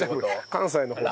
関西の方で。